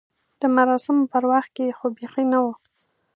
د مراسمو پر وخت کې خو بیخي نه و.